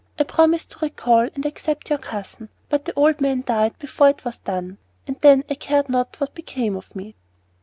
I promised to recall and accept your cousin, but the old man died before it was done, and then I cared not what became of me.